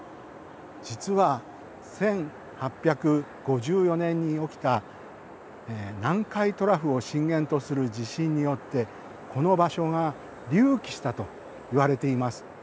実は１８５４年に起きた南海トラフを震源とする地震によってこの場所が隆起したといわれています。